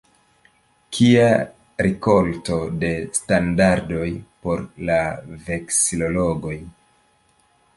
Kia rikolto de standardoj por la veksilologoj!